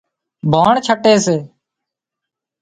ڀاڻ ڇٽي سي